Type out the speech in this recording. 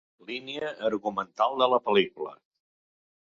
Línia argumental de la pel·lícula.